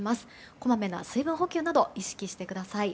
こまめな水分補給などを意識してください。